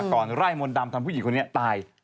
ก่อนไร่มนต์ดำทำผู้หญิงคนนี้ตาย